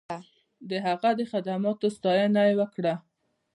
د هغه د خدماتو ستاینه یې وکړه.